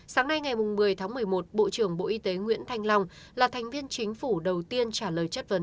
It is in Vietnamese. sáng nay ngày một mươi tháng một mươi một bộ trưởng bộ y tế nguyễn thanh long là thành viên chính phủ đầu tiên trả lời chất vấn